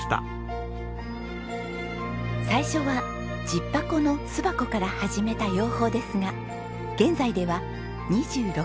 最初は１０箱の巣箱から始めた養蜂ですが現在では２６箱。